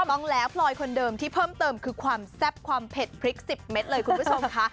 ต้องแล้วพลอยคนเดิมที่เพิ่มเติมคือความแซ่บความเผ็ดพริก๑๐เม็ดเลยคุณผู้ชมค่ะ